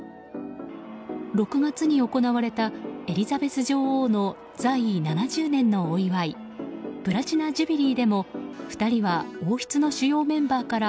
６月に行われたエリザベス女王の在位７０年のお祝いプラチナ・ジュビリーでも２人は王室の主要メンバーから